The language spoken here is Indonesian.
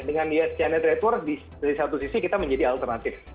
dengan china trade war dari satu sisi kita menjadi alternatif